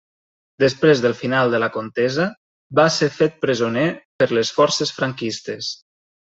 Després del final de la contesa va ser fet presoner per les forces franquistes.